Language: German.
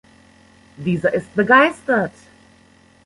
Dieser ist begeistert.